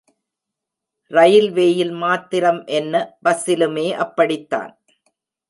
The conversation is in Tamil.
ரயில்வேயில் மாத்திரம் என்ன, பஸ்ஸிலுமே அப்படித்தான்.